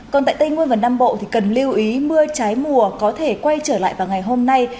còn tại tây nguyên và nam bộ thì cần lưu ý mưa trái mùa có thể quay trở lại vào ngày hôm nay